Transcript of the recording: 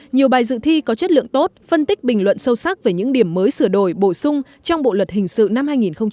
nhiều bài dự thi có chất lượng tốt phân tích bình luận sâu sắc về những điểm mới sửa đổi bổ sung trong bộ luật hình sự năm hai nghìn một mươi năm